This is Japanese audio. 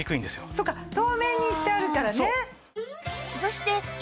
そっか透明にしてあるからね。